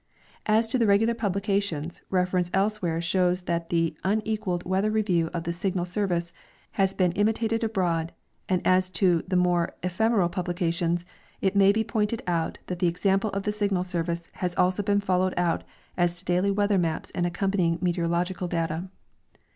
As to the regular jjublications, reference elscAvhere shows that the unequaled Weather Review of the Signal service has been imitated abroad, and as to the more ephemereal publications, it may be pointed out that the examjjle of the Signal service has also been followed out as to daily weather maps and accompany ing meteorological data.